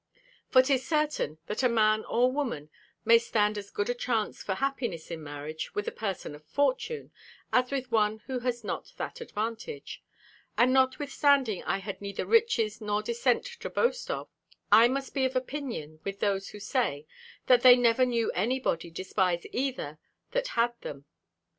For 'tis certain, that a man or woman may stand as good a chance for happiness in marriage with a person of fortune, as with one who has not that advantage; and notwithstanding I had neither riches nor descent to boast of, I must be of opinion with those who say, that they never knew any body despise either, that had them.